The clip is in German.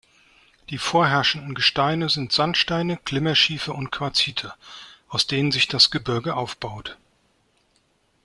Die vorherrschenden Gesteine sind Sandsteine, Glimmerschiefer und Quarzite, aus denen sich das Gebirge aufbaut.